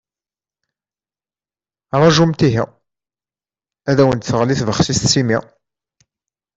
Rajumt ihi, ad awent-d-teɣli tbexsist s imi.